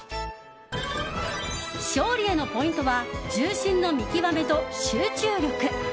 勝利へのポイントは重心の見極めと集中力！